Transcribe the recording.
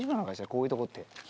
こういうとこって。